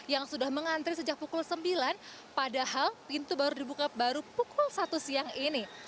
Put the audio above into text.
yang sudah mengantri sejak pukul sembilan padahal pintu baru dibuka baru pukul satu siang ini